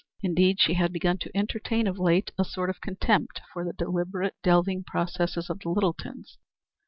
Indeed, she had begun to entertain of late a sort of contempt for the deliberate, delving processes of the Littletons.